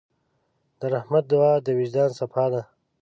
د رحمت دعا د وجدان صفا ده.